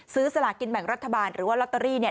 ซื้อสลากกินแบ่งรัฐบาลหรือว่าลอตเตอรี่